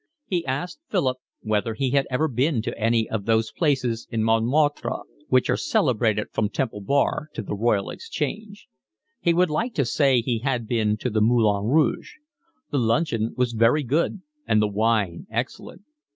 He asked Philip whether he had ever been to any of those places in Montmartre which are celebrated from Temple Bar to the Royal Exchange. He would like to say he had been to the Moulin Rouge. The luncheon was very good and the wine excellent.